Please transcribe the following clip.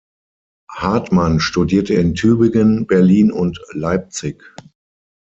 Hartmann studierte in Tübingen, Berlin und Leipzig.